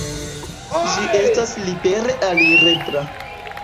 Ĝi estas libere alirebla.